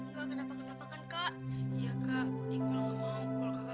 sampai jumpa di video selanjutnya